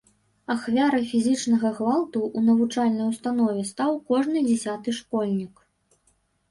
Ахвярай фізічнага гвалту ў навучальнай установе стаў кожны дзясяты школьнік.